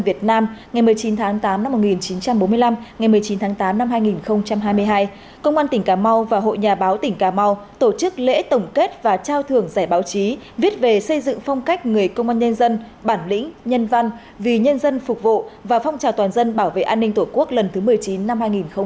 ngày một mươi chín tháng tám năm một nghìn chín trăm bốn mươi năm ngày một mươi chín tháng tám năm hai nghìn hai mươi hai công an tỉnh cà mau và hội nhà báo tỉnh cà mau tổ chức lễ tổng kết và trao thưởng giải báo chí viết về xây dựng phong cách người công an nhân dân bản lĩnh nhân văn vì nhân dân phục vụ và phong trào toàn dân bảo vệ an ninh tổ quốc lần thứ một mươi chín năm hai nghìn hai mươi